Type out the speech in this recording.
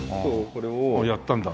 これやったんだ。